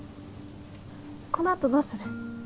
このあとどうする？